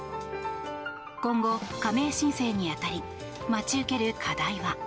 今後、加盟申請に当たり待ち受ける課題は。